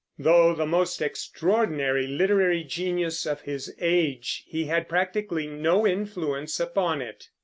Though the most extraordinary literary genius of his age, he had practically no influence upon it.